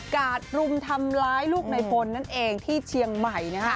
กาดรุมทำล้ายลูกในผลที่เชียงใหม่